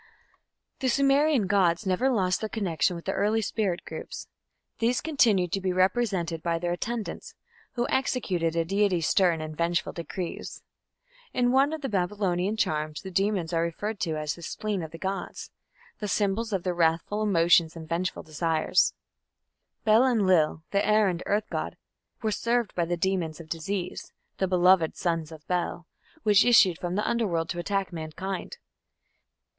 The Sumerian gods never lost their connection with the early spirit groups. These continued to be represented by their attendants, who executed a deity's stern and vengeful decrees. In one of the Babylonian charms the demons are referred to as "the spleen of the gods" the symbols of their wrathful emotions and vengeful desires. Bel Enlil, the air and earth god, was served by the demons of disease, "the beloved sons of Bel", which issued from the Underworld to attack mankind.